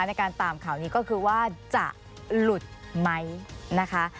ในการตามข่าวนี้ก็คือว่าจะหลุดไหมนะคะ